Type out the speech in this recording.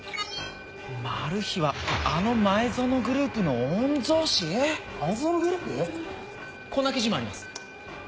マルヒはあの前薗グループの御曹司⁉・前薗グループ⁉・こんな記事もあります。